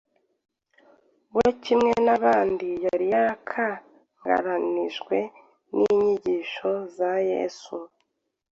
we kimwe n’abandi yari yarakangaranijwe n’inyigisho za Yesu.